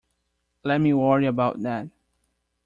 Let me worry about that.